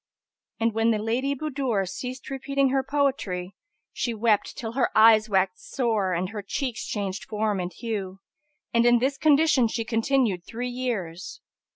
And when the Lady Budur ceased repeating her poetry, she wept till her eyes waxed sore and her cheeks changed form and hue, and in this condition she continued three years.